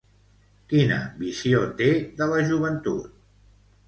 Quina visió té de la joventut?